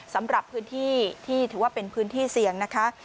สำหรับพื้นที่ที่ถือว่าเป็นพื้นที่เสี่ยงนะคะ